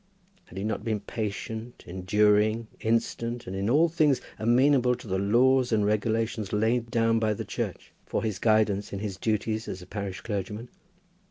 Had he not been patient, enduring, instant, and in all things amenable to the laws and regulations laid down by the Church for his guidance in his duties as a parish clergyman?